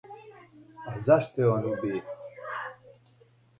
Зашто је он убијен?